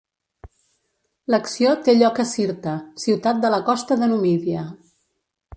L'acció té lloc a Cirta, ciutat de la costa de Numídia.